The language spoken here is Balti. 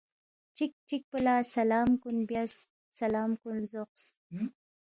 چِک چِکپو لہ سلام کُن بیاس، سلام کُن لزوقس